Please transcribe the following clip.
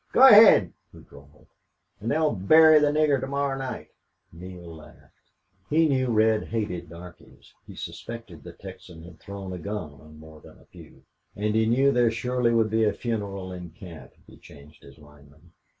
"Go ahaid," he drawled, "an' they'll bury the nigger to morrow night." Neale laughed. He knew Red hated darkies he suspected the Texan had thrown a gun on more than a few and he knew there surely would be a funeral in camp if he changed his lineman.